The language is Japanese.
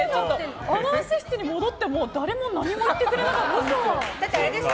アナウンス室に戻っても誰も何も言ってくれなかったんですよ。